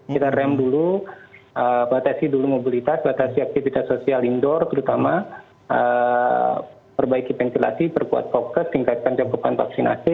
kita rem dulu batasi dulu mobilitas batasi aktivitas sosial indoor terutama perbaiki ventilasi perkuat fokus tingkatkan cakupan vaksinasi